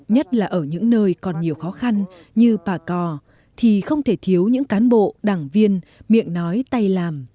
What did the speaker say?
nhất là ở những nơi còn nhiều khó khăn như bà cò thì không thể thiếu những cán bộ đảng viên miệng nói tay làm